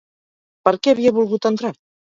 Per què havia volgut entrar?